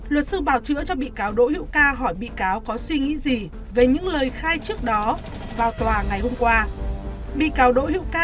luật sư bảo chữa cho bị cáo đỗ hữu ca hỏi bị cáo có suy nghĩ gì về những lời khai trước đó vào tòa ngày hôm qua